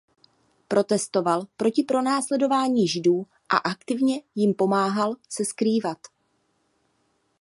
Protestoval proti pronásledování Židů a aktivně jim pomáhal se skrývat.